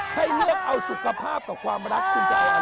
ให้เลือกเอาสุขภาพกับความรักคุณจะเอาอะไร